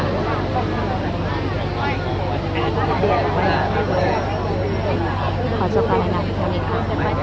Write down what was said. ขอเจอกันให้ได้ค่ะ